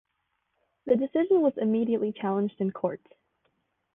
The decision was immediately challenged in court.